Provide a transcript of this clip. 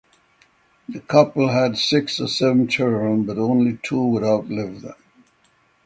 The couple had six or seven children but only two would outlive them.